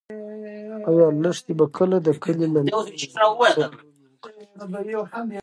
ایا لښتې به کله د کلي له نورو نجونو سره لوبې وکړي؟